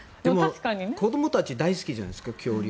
子どもたち大好きじゃないですか、恐竜。